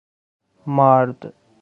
مارد